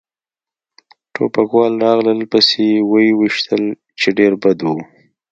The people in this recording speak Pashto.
ټوپکوال راغلل پسې و يې ویشتل، چې ډېر بد و.